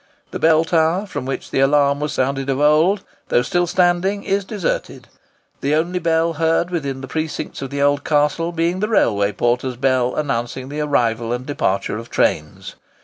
The bell tower, from which the alarm was sounded of old, though still standing, is deserted; the only bell heard within the precincts of the old castle being the railway porter's bell announcing the arrival and departure of trains.